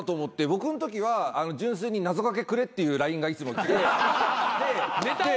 僕んときは純粋に「謎掛けくれ」っていうＬＩＮＥがいつも来て。